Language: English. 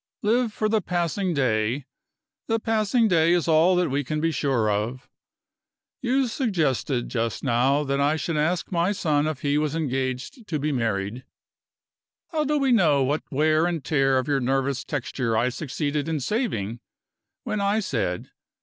Live for the passing day: the passing day is all that we can be sure of. You suggested, just now, that I should ask my son if he was engaged to be married. How do we know what wear and tear of your nervous texture I succeeded in saving when I said.